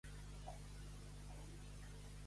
A qui acusa Otegi de no respectar la llei?